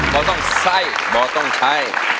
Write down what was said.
บอกต้องทรายบอกต้องใช้